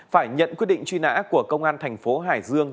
phải nhận quyết định truy nã của công an thành phố hải dương